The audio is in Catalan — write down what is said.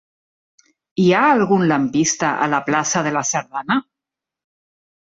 Hi ha algun lampista a la plaça de la Sardana?